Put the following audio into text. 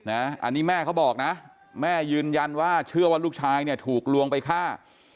อันนี้แม่เขาบอกนะแม่ยืนยันว่าเชื่อว่าลูกชายเนี่ยถูกลวงไปฆ่า